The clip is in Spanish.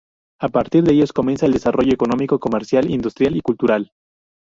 A partir de ellos, comienza el desarrollo económico, comercial, industrial y cultural.